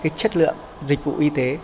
cái chất lượng dịch vụ y tế